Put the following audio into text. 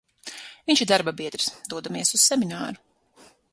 Vinš ir darbabiedrs, dodamies uz semināru.